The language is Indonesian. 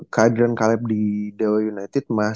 kehadiran kalep di dw united